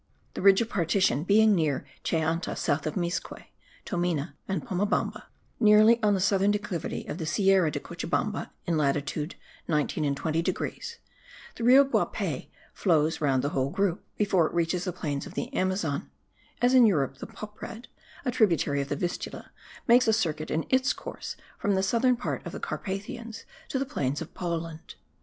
The ridge of partition being near Chayanta, south of Mizque, Tomina and Pomabamba, nearly on the southern declivity of the Sierra de Cochabamba in latitude 19 and 20 degrees, the Rio Guapey flows round the whole group, before it reaches the plains of the Amazon, as in Europe the Poprad, a tributary of the Vistula, makes a circuit in its course from the southern part of the Carpathians to the plains of Poland.